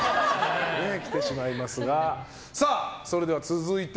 きてしまいますが。